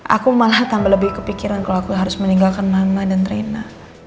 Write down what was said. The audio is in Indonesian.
aku malah tambah lebih kepikiran kalau aku harus meninggalkan mama dan reina